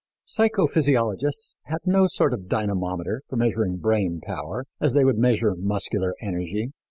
Psycho physiologists had no sort of dynamometer for measuring brain power as they would measure muscular energy.